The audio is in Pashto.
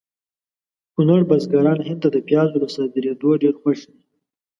کونړ بزګران هند ته د پیازو له صادریدو ډېر خوښ دي